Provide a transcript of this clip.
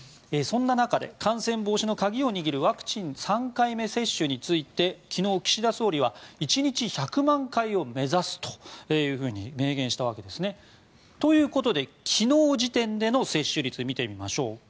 そんな中で感染防止の鍵を握るワクチン３回目接種について昨日、岸田総理は１日１００万回を目指すと明言したわけです。ということで昨日時点での接種率を見てみましょう。